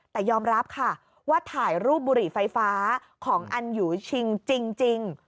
แต่ยอมรับค่ะว่าถ่ายรูปบุหรี่ไฟฟ้าของอันยูชิงจริง